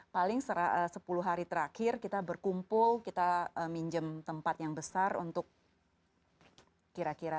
paling sepuluh hari terakhir kita berkumpul kita minjem tempat yang besar untuk kira kira